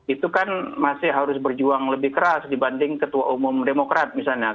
itu kan masih harus berjuang lebih keras dibanding ketua umum demokrat misalnya